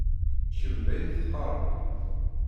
Kemm d ayen teqqared.